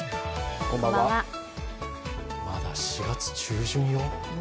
まだ４月中旬よ。